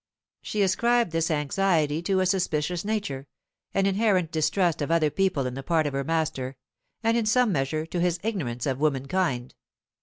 She ascribed this anxiety to a suspicious nature, an inherent distrust of other people on the part of her master, and in some measure to his ignorance of womankind.